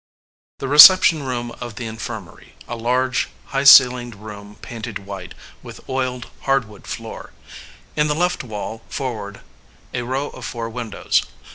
The reception room of the Infirmary, a large, bigb ceilinged room painted white, with oiled, hard wood floor. In the left wall, forward, a row of four windows.